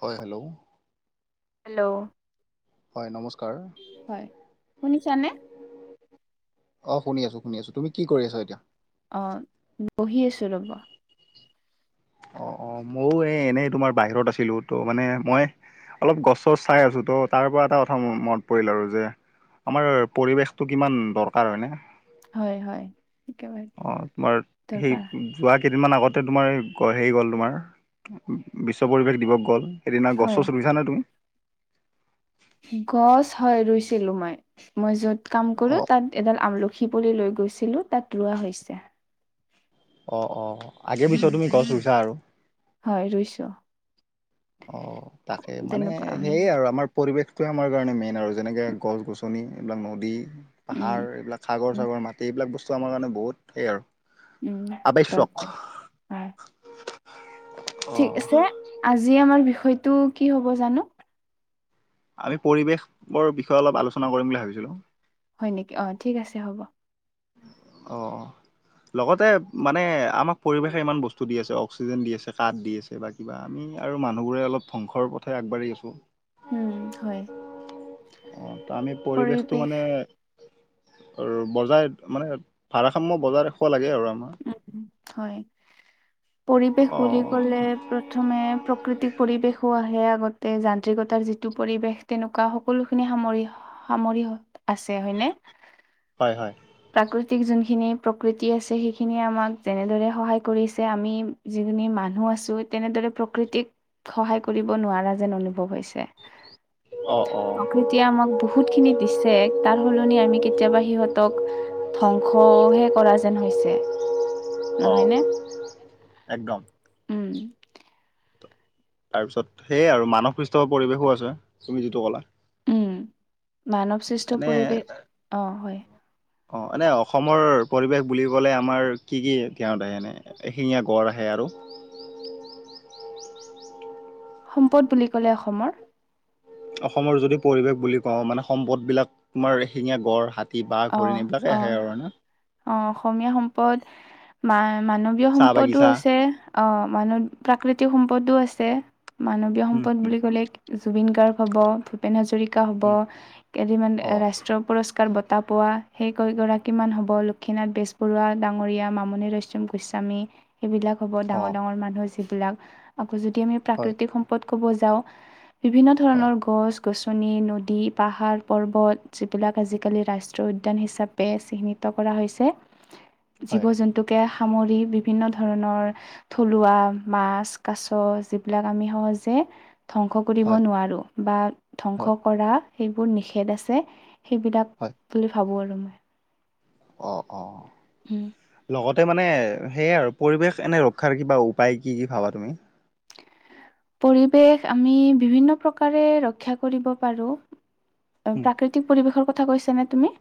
হয়, hello! Hello! হয় নমস্কাৰ! হয়, শুনিছানে? অ' শুনি আছো শুনি আছো। তুমি কি কৰি আছা এতিয়া? অ' বহি আছো ৰ'ব! অ' অ' মইও এ এনেই তোমাৰ বাহিৰত আছিলো। ত' মানে মই অলপ গছ-চছ চাই আছো। ত' তাৰ পৰা এটা কথা মনত পৰিল আৰু যে আমাৰ পৰিৱেশটো কিমান দৰকাৰ হয়নে? হয় হয় একেবাৰে অ' তোমাৰ সেই দৰকাৰ যোৱা কেইদিনমান আগতে তোমাৰ হেৰি গ'ল তোমাৰ বিশ্ব পৰিৱেশ দিৱস গ'ল। সেইদিনা হয় গছ-চছ ৰুইছা নে তুমি? গছ হয় ৰুইছিলো মই মই য'ত কাম কৰো অঁ তাত। এডাল আমলখি পুলি লৈ গৈছিলোঁ, তাত ৰোৱা হৈছে। অ' অ' আগে উম পিছেও তুমি গছ ৰুইছা আৰু? হয় ৰুইছোঁ। অ' তাকে মানে তেনেকুৱা উম সেইয়ে আৰু আমাৰ পৰিৱেশটোৱে আমাৰ কাৰণে মেইন আৰু। যেনেকে গছ-গছনি এইবিলাক নদী, উম পাহাৰ এইবিলাক। উম সাগৰ-চাগৰ মাটি এইবিলাক বস্তু আমাৰ কাৰণে বহুত সেই আৰু। উম আৱশ্যক দৰকাৰ আ' ঠিক অ', আছে! আজি আমাৰ বিষয়টো কি হ'ব জানো? আমি পৰিৱেশৰ বিষয়ে অলপ কৰিম বুলি ভাবিছিলো। হয় নেকি? অ' ঠিক আছে হ'ব। অ' অ'। লগতে মানে আমাক পৰিৱেশে ইমান বস্তু দি আছে। অক্সিজেন দি আছে, কাঠ দি আছে, বা কিবা আমি আৰু মানুহবোৰে অলপ ধ্বংসৰ পথে আগবাঢ়ি আছোঁ। উম, হয়। অ তামি পৰিৱেশটো পৰিৱেশ মানে আৰু বজাই মানে ভাৰাসাম্য বজাই ৰাখিব লাগে আৰু আমাৰ। উ, হয়। পৰিৱেশ বুলি অ', ক'লে প্ৰথমে প্ৰাকৃতিক পৰিৱেশো আহে আগতে, যান্ত্ৰিকতাৰ যিটো পৰিৱেশ তেনেকুৱা সকলোখিনি সামৰি, সামৰি আছে হয় নে? হয়, হয়। প্ৰাকৃতিক যোনখিনি প্ৰকৃতি আছে সেইখিনিয়ে আমাক, যেনেদৰে সহায় কৰিছে আমি যিখিনি মানুহ আছো তেনেদৰে প্ৰকৃতিক, সহায় কৰিব নোৱাৰা যেন অনুভৱ হৈছে। অ, অ। কৃতিয়ে আমাক বহুতখিনি দিছে, তাৰ সলনি আমি কেতিয়াবা সিহঁতক ধ্বংস হে কৰা যেন হৈছে। অ, নহয়নে? একদম। উম, তাৰপিছত, সেয়ে আৰু মানস সৃষ্টকৰ পৰিৱেশো আছে, তুমি যিটো ক'লা। উম মানৱ সৃষ্ট এনে পৰিৱেশ, অ হয়। অ এনে অসমৰ পৰিৱেশ বুলিবলে আমাৰ, কি কি [unintelligible] আহে এনে? এশিঙীয়া গঁড় আহে আৰু? সম্পদ বুলি ক'লে অসমৰ অসমৰ যদি পৰিৱেশ বুলি কওঁ মানে সম্পদবিলাক, তোমাৰ এশিঙীয়া গঁড়, হাত অ অ অ অসমীয়া সম্পদ, মা মানৱ ৱীয় চাহ সম্পদো বাগিচা আছে, অ মানব, প্ৰাকৃতিক সম্পদো আছে। মানৱীয় উম সম্পদ উম বুলি ক'লে, জুবিন গাৰ্গ হ'ব, ভূ পেন হাজৰিকা হ'ব, উম কেইদিনমান অ ৰাষ্ট্ৰীয় পুৰস্কাৰ বট টা পোৱা, সেই কেই গৰাকীমান হ'ব, লক্ষীনাথ বেজবৰুৱা ডাঙৰীয়া, মামণি ৰয়চম গোস্বামী সেইবিলাক হ'ব অ ডাঙৰ ডাঙৰ মানুহ যিবিলাক, আকৌ যদি আমি হয় প্ৰাকৃতিক সম সম্পদ ক'ব যাওঁ, বিভিন্ন হয় ধৰণৰ গছ গছনি, নদী, পাহাৰ, পৰ্বত যিবিলাক আজিকালি ৰাষ্ট ষ্ট্ৰীয় উদ্যান হিচাপে চিহ্নিত কৰা হৈছে। হয় জীৱ-জন্তুক কে সামৰি বিভিন্ন ধৰণৰ থলুৱা মাছ, কাছ যিবিলাক আমি সহজে ধ্বংস কৰিব হয় নোৱাৰো বা হয় ধ্বংস কৰা সেইবোৰ নিষেধ আছে। সেইবিলাক হয় বুলি ভাবো আৰু মই। অ অ। উম। লগতে মানে এ, সেয়ে আৰু পৰিৱেশ এনে ৰক্ষাৰ কিবা উপায় কি কি ভাবা তুমি? পৰিৱেশ আমি বিভিন্ন প্ৰকাৰে ৰক্ষা কৰিব পাৰো। অ উম প্ৰাকৃতিক পৰিৱেশৰ কথা কৈছা নে তুমি?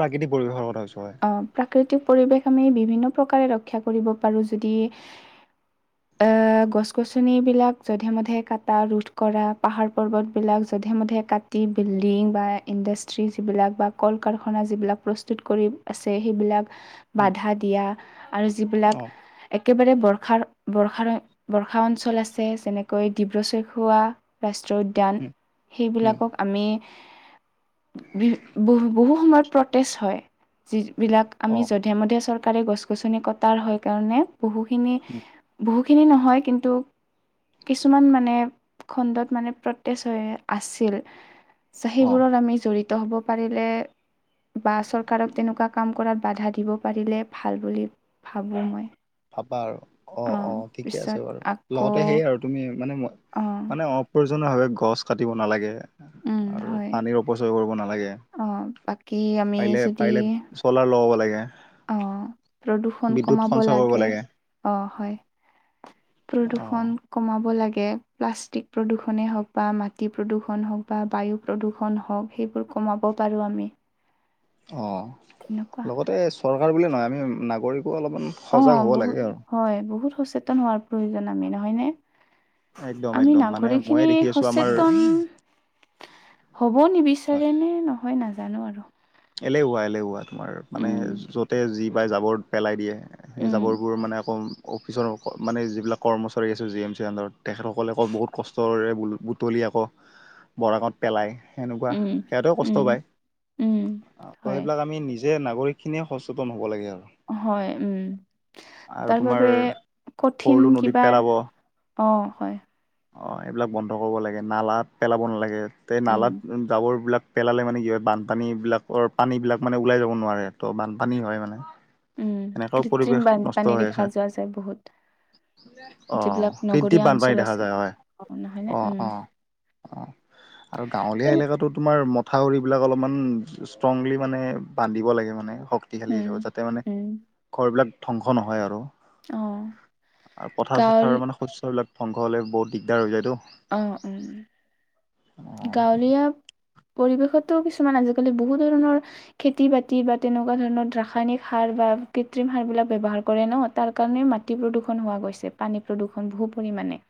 প্ৰাকৃতিক পৰিবেশৰ কথা কৈছো হয়। অ প্ৰাকৃতিক পৰিৱেশ আমি বিভিন্ন প্ৰকাৰে ৰক্ষা কৰিব পাৰো। যদি এ গছ-গছনি বিলাক যধে মধে কাটা ৰোধ কৰা পাহাৰ-পৰ্বতবিলাক যধে মধে কাট টি বিল্ডিং বা ইণ্ডাষ্ট্ৰী যিবিলাক বা কল-কাৰখানা যিবিলাক প্ৰস্তুত কৰি আছে, সেইবিলাক উম বাধা দিয়া, আৰু যিবিলাক অ উম এক কেবাৰে বৰ্ষাৰ, বৰ্ষাৰে, বৰ্ষা অঞ্চল আছ ছে, যেনেকৈ ডিব্ৰু-চৈখোৱা ৰাষ্ট্ৰীয় উদ্যান, উম সেইবিলাকক আমি বি, বহু বহু সময়ত প্ৰটেষ্ট হয়, যিবিলাক অ আমি যধে-মধে চৰকাৰে গছ-গছনি কটাৰ হয় কাৰণে বহুখিনি উম, বহু খিনি নহয় কিন্তু কিছুমান মানে খণ্ডত মানে প্ৰতেছ হয় আছিল। চে অ সেইবোৰত আমি জড়িত হ'ব পাৰিলে বা চৰকাৰক তেনেকুৱা কাম কৰাত বাধা দিব পাৰিলে ভাল বুলি ভাবোঁ মই। ভাবা আৰু অ' অঁ অ' ঠিকে আছে পিছত বাৰু আকৌ লগতে সেয়ে আৰু তুমি মানে মই মানে অ' প্ৰয়োজনীয় ভাৱে গছ কাটিব নালাগে। অঁ আৰু হয় পানীৰ অপচয় কৰিব নালাগে অঁ বাকী আমি পাৰিলে, পাৰিলে ক'লাৰ লগাব লাগে। অ'প্ৰদূষণ বিদ্যুৎ কমাব সঞ্চয় কৰিব লাগে অ'হয়। অ প্ৰদূষণ কমাব লাগে প্লাষ্টিক প্ৰদূষণেই হওক বা মাটি প্ৰদূষণ হওক বা বায়ু প্ৰদূষণ হওক সেইবোৰ কমাব পাৰোঁ আমি। তেনেকুৱা অ'লগতে চৰকাৰ বুলিয়ে নহয় আমি নাগৰিকো অলপমান সজাগ অ' হ'ব লাগে বহুত আৰু হয় বহুত সচেতন হোৱাৰ প্ৰয়োজন আমি নহয়নে? একদম আমি একদম মানে ময়ে নাগৰিকখিনি দেখি আছো আমাৰ সচেতন হ'ব হয় নিবিচাৰে নে নহয় নাজানো আৰু। এলেহুৱা, এলেহুৱা তোমাৰ মানে উম য'তে যি পায় জাবৰ পেলাই দিয়ে। সেই উম জাবৰবোৰ মানে আকৌ অফিচৰ মানে যিবিলাক কৰ্মচাৰী আছে জি এম চিৰ আণ্ডাৰত তেখেতসকলে আকৌ বহুত কষ্টৰে ব্লু-বুটলি আকৌ বৰাঙত পেলায় সেনেকুৱা উম সিহঁতেও উম কষ্ট পায়। উম অ' ত‌' হয় সেইবিলাক আমি নিজে নাগৰিকখিনিয়ে সচেতন হ'ব লাগে আৰু। হয়, উম, আৰু তোমাৰ তাৰবাবে কঠিন সৰলু নদীত কিবা অ'হয়। অ'এইবিলাক বন্ধ কৰব লাগে নালাত পেলাব নালাগে তে উম নালাত জাবৰবিলাক পেলালে মানে কি হয় বানপানী বিলাকৰ পানীবিলাক মানে ওলাই যাব নোৱাৰে ত' বানপানী হয় মানে। উম এনেকেও কৃত্ৰিম পৰিৱেশ নষ্ট বানপানী হৈ দেখা আছে। যোৱা যায় বহুত অ' যিবিলাক নগৰীয়া কৃত্ৰিম অঞ্চল বানপানী দেখা আছে যায় হয়, অ নহয়নে উম অ'অ' অ'। আৰু গাঁৱলীয়া এলেকাটো তোমাৰ মথাউৰিবিলাক অলপমান ষ্ট্ৰংলি মানে বান্ধিব লাগে মানে শক তিশালী উম হয়, যাতে মানে উম ঘৰবিলাক ধ্বংস নহয় আৰু অ অ' গাঁৱল পথাৰ-চথাৰ মানে শস্যবিলাক ধ্বংস হ'লে বহুত দিগদাৰ হৈ যায়তো অ' উম, অ', গাঁৱলীয়া পৰিৱেশততো কিছুমান আজিকালি বহু ধৰণৰ খেতি-বাতি বা তেনেকুৱা ধৰণৰ ৰাসায়নিক সাৰ বা কৃত্ৰিম সাৰবিলাক ব্যৱহাৰ কৰে ন' তাৰ কাৰণে মাটি প্ৰদূষণ হোৱা গৈছে পানী প্ৰদূষণ বহু পৰিমাণে।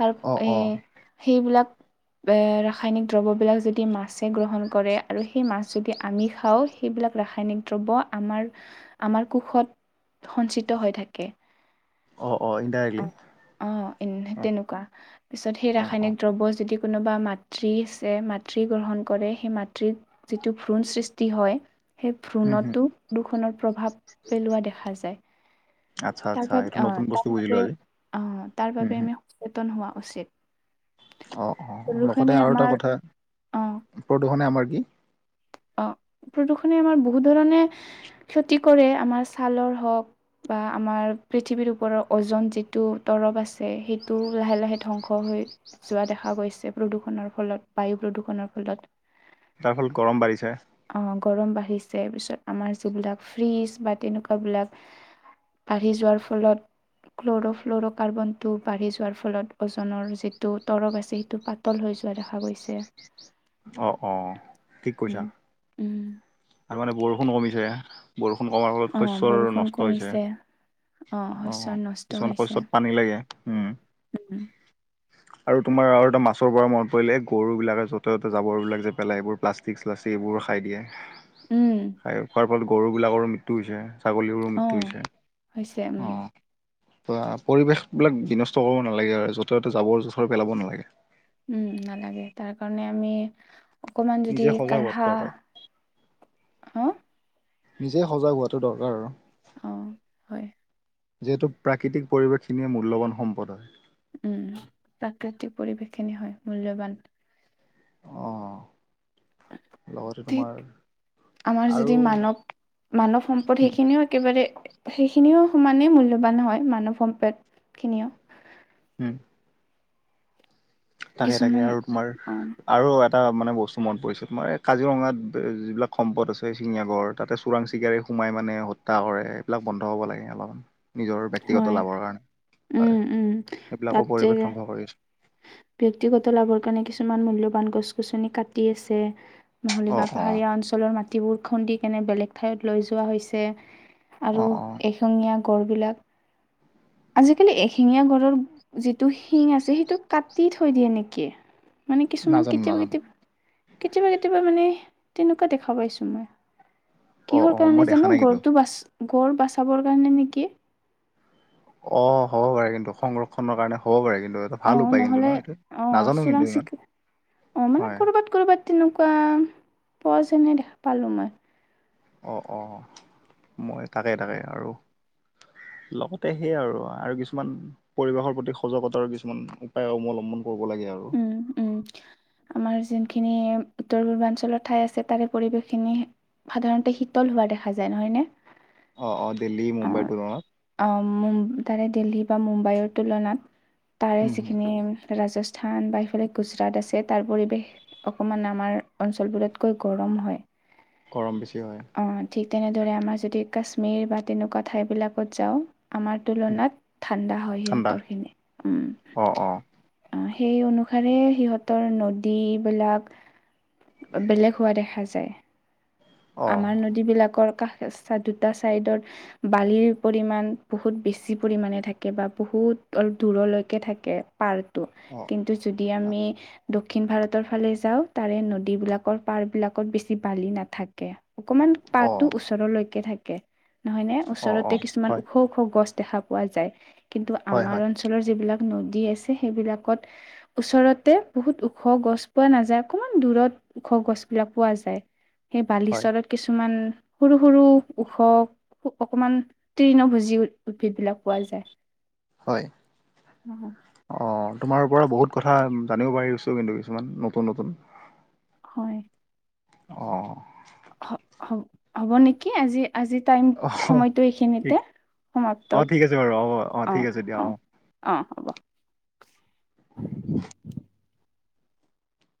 তাৰ এ অ'অ' সেইবিলাক [unintelligible] ৰাসায়নিক দ্ৰব্যবিলাক যদি মাছে গ্ৰহণ কৰে আৰু সেই মাছ যদি আমি খাওঁ সেইবিলাক ৰাসায়নিক দ্ৰব্য আমাৰ, আমাৰ কোষত সঞ্চিত হৈ থাকে। অ', অ', ইনডাইৰেক্টলি অ'অ' [unintelligible] অ', তেনেকুৱা পিছত সেই অ', অ', ৰাসায়নিক দ্ৰব্য যদি কোনোবা মাতৃ আছে মাতৃ গ্ৰহণ কৰে সেই মাত তৃৰ যিটো ভ্ৰূণ সৃষ্টি হয় সেই হুম, হুম, ভ্ৰূণতো প্ৰদূষনৰ প্ৰভাৱ পেলোৱা দেখা যায়। আচ্ছা, আচ্ছা তাপিছত এইটো অঁ নতুন বস্তু বুজিলো তাপিছতে আজি। অঁ হুম, তাৰবাবে হুম, আমি- সচেতন হোৱা উচিত। অঁ অঁ প্ৰদূষণে লগতে আৰু এটা আমাৰ কথা অ', প্ৰদূষনে আমাৰ কি? অঁ প্ৰদূষণে আমাৰ বহুত ধৰণে ক্ষতি কৰে আমাৰ ছালৰ হওক, - বা আমাৰ পৃথিৱীৰ ওপৰৰ অজন যিটো তৰপ আছে সেইটোও লাহে লাহে ধ্বংস হৈ- যোৱা দেখা গৈছে প্ৰদূষণৰ ফলত বায়ু প্ৰদূৰষণৰ ফলত। তাৰফলত গৰম বাঢ়িছে। অঁ গৰম বাঢ়িছে পিছত আমাৰ যিবিলাক ফ্ৰীজ বা তেনেকুৱাবিলাক- বাঢ়ি যোৱাৰ ফলত- ক্ল'ৰ' ফ্ল'ৰ' কাৰ্বনটো বাঢ়ি যোৱাৰ ফলত, অ'জনৰ যিটো তৰপ আছে, সেইটো- পাতল হৈ যোৱা দেখা গৈছে। অঁ অঁ' ঠিক উম কৈছা। উম'। আৰু মানে বৰষুণ কমিছে, বৰষুণ কমাৰ ফলত অ' শস্যৰ বৰষুণ নষ্ট হৈছে। কমিছে অ' অঁ' শস্যৰ নষ্ট কিছুমান হৈছে শস্যত পানী লাগে, উম। উম আৰু তোমাৰ আৰু এটা মাছৰ পৰা মনত পৰিলে, এই গৰু বিলাকে য'ত- য'ত-ত'তে জাবৰবিলাক যে পেলাই, এইবোৰ প্লাষ্টিক চ্লাষ্টিক এইবোৰ খাই দিয়ে। উম খাই খোৱাৰ- ফলত গৰুবিলাকৰো মৃত্যু হৈছে, ছাগলীৰো মৃত্যু অ' হৈছে হৈছে উম অঁ'। অঁ পৰিৱেশবিলাক বিনষ্ট কৰিব নালাগে আৰু য'তে-ত'তে জাবৰ-জোথৰ পেলাব নালাগে। উম, নালাগে। তাৰ কাৰণে আমি- অকমান যদি নিজে সজাগ হোৱাটো কাঢ়া, দৰকাৰ হঁ? নিজেই সজাগ হোৱাটো দৰকাৰ আৰু। অঁ হয়। যিহেতু প্ৰাকৃতিক পৰিৱেশখিনিয়ে মূল্যৱান সম্পদ হয়। উম, প্ৰাকৃতিক পৰিৱেশ খিনি হয় মূল্যৱান। অঁঅ। ঠিক, আমাৰ আৰু যদি মানৱ- মানৱ সম্পদ উম সেইখিনিও একেবাৰে- সেইখিনিও সমানে মূল্যৱান হয়, মানৱ সম্পদ খিনিও। উম'। তাকে, তাকে কিছুমান আৰু তোমাৰ- অ আৰু এটা মানে বস্তু মনত পৰিছে তোমাৰ, এই কাজিৰঙাত যিবিলাক সম্পদ আছে এশিঙীয়া গড়, তাতে চোৰাং চিকাৰী- সোমাই মানে হত্যা কৰে, এইবিলাক বন্ধ হ'ব লাগে অলপ। নিজৰ ব্যক্তিগত হয় লাভৰ কাৰণে হয়, উম উম তাত সেইবিলাকো পৰিৱেশ যে ধ্বংস কৰি আছে। ব্যক্তিগত লাভৰ কাৰণে কিছুমান মূল্যৱান গছ-গছনি কাটি আছে। অ নহ'লেবা অ পাহাৰীয়া অঞ্চলৰ মাটিবোৰ খুন্দি কেনে বেলেগ ঠাইত লৈ যোৱা হৈছে। অ আৰু অ এশিঙীয়া গড়বিলাক, আজিকালি এশিঙীয়া গড়ৰ- যিটো শিং আছে, সেইটো কাটি থৈ দিয়ে নেকি? মানে কিছুমান নাজানো কেতিয়াবা নাজানো কেতিয়াবা, কেতিয়াবা কেতিয়াবা মানে তেনেকুৱা দেখা পাইছোঁ মই। অ কিহৰ অ মই কাৰণে দেখা জানো? নাই কিন্তু গড়টো বাচ গড় বাচাবৰ কাৰণে নেকি? অঁ' হ'ব পাৰে কিন্তু, সংৰক্ষণৰ কাৰণে হ'ব পাৰে কিন্তু। ভাল অঁ উপায় কিন্তু নহ'লে ন এইটো? অঁ নাজানো চোৰাং কিন্তু ইমান, চিকা অঁ মানে হয়। ক'ৰবাত ক'ৰবাত তেনেকুৱা পোৱা যেনে দেখা পালোঁ মই। অঁ অঁ, মই তাকে তাকে আৰু- লগতে সেই আৰু আৰু কিছুমান- পৰিৱেশৰ প্ৰতি সজাগতাৰ কিছুমান উপায় অৱলম্বন কৰিব লাগে আও। ওঁ, উম। আমাৰ যোনখিনি উত্তৰ পূৰ্বাঞ্চল ঠাই আছে। তাৰে পৰিৱেশখিনি সাধাৰণতে শীতল হোৱা দেখা যায়। নহয় নে? অঁ, অঁ দেল্ডী মুম্বাইটো অঁ। অঁ, উম তাৰে দিল্লী বা মুম্বাইৰ তুলনাত, তাৰে যিখিনি ৰাজস্ স্থান বা এফালে গুজৰাট আছে। তাৰ পৰিৱেশ অকমান আমাৰ অঞ্চলবোৰতকৈ গৰম হয়। গৰম বেছি হয়। অঁ, ঠিক তেনেদৰে আমাৰ যদি কাশ্মীৰ বা তেনেকুৱা ঠাইবিলাকত যাওঁ। আমাৰ তুলনাত ঠাণ্ডা হয় ঠাণ্ডা সিহঁতৰখিনি, উম। অ অ অ', সেই অনুসাৰে সিহঁতৰ নদীবিলাক বেলেগ হোৱা দেখা যায়। অ আমাৰ নদী বিলাকৰ কাষ চা দুটা ছাইডৰ বালিৰ পৰিমানমান বহুত বেছি পৰিণে থাকে বা বহুত অলপ দূৰলৈকে থাক্ কে পাৰটো। অঁ। কিন্তু যদি আমি দক্ষিণ ভাৰতৰ ফালে যাৱ। তাৰে নদীবিলাকৰ পাৰ বিলাকত বেছি বালি নাথাকে। অকমান অ পাৰটো ওচৰলৈকে থাকে। নহয় নে? অ অ ওচৰতে কিছুমান হয় ওখ ওখ গছ দেখা পোৱা যায় কিন্তু হয় আমাৰ হয় অঞ্চলৰ যিবিলাক নদী আছে সেইবিলাকত ওচৰতে বহুত ওখ গছ পোৱা নাযায়। অকণমান দূৰত ওখ গছবিলাক পোৱা যায়। সেই হয় বালিচলত কিছুমান সৰু সৰু ওখ অকমান তীৰ্ণ ভুজি উদ্ভিদ বিলাক পোৱা যায়। হয়। অ', অঁ, তোমাৰ পৰা বহুত কথা জানিব পাৰিছোঁ কিন্তু কিছুমান নতুন নতুন। হয়। অঁ। হ'ব্ হ'ব্ হ'ব নেকি? আজি আজি টাইম সময়টো এইখিনিতে। সমাপ্ত অঁ, ঠিক আছে বাৰু হ'ব। অঁ, ঠিক আছে দিয়া অঁ। অঁ, হ'ব।